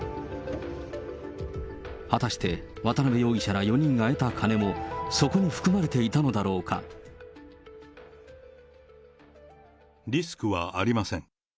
果たして渡辺容疑者ら４人が得た金も、リスクはありません。